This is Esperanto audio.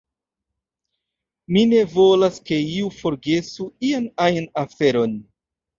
Mi ne volas ke iu forgesu ian ajn aferon.